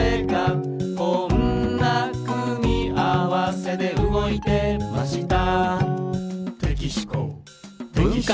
「こんな組み合わせで動いてました」